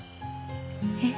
え？